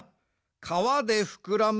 かわでふくらむ